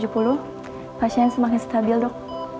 pasien semakin stabil dok